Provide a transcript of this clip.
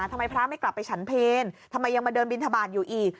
ทำไมพระไม่กลับไปฉันเพลทำไมยังมาเดินบินทบาทอยู่อีก